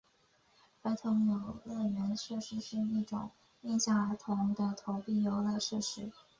儿童游乐设施是一种面向儿童的投币游乐设施。